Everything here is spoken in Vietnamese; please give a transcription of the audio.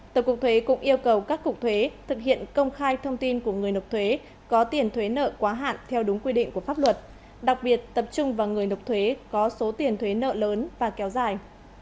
tổng cục thuế cũng yêu cầu các cục thuế thực hiện công khai thông tin của người nộp thuế có tiền thuế nợ quá hạn theo đúng quy định của pháp luật đặc biệt tập trung vào người nộp thuế có số tiền thuế nợ lớn và kéo dài